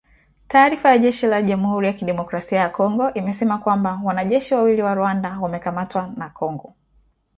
Taarifa ya jeshi la Jamhuri ya Kidemokrasia ya kongo imesema kwamba, wanajeshi wawili wa Rwanda wamekamatwa na kongo